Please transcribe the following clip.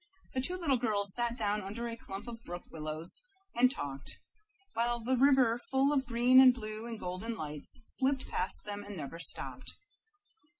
The two little girls sat down under a clump of brook willows and talked, while the river, full of green and blue and golden lights, slipped past them and never stopped.